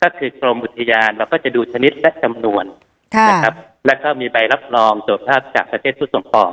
ถ้าคือกรมอุทยานเราก็จะดูชนิดและกำหนวนแล้วก็มีใบรับรองส่วนภาพจากประเทศทุกส่วนต่อ